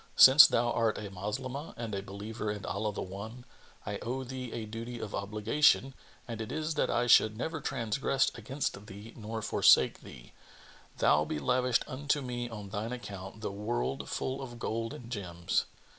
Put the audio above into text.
Since thou art a Moslemah and a believer in Allah the One, I owe thee a duty of obligation and it is that I should never transgress against thee nor forsake thee, though be lavished unto me on thine account the world full of gold and gems.